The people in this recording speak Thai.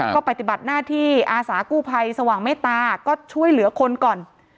ก็ปฏิบัติหน้าที่อาสากู้ภัยสว่างเมตตาก็ช่วยเหลือคนก่อน